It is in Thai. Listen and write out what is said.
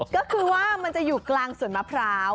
ก็คือว่ามันจะอยู่กลางสวนมะพร้าว